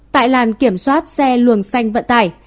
tại làn kiểm soát xe luồng xanh vận tải